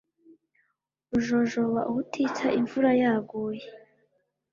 ujojoba ubutitsa imvura yaguye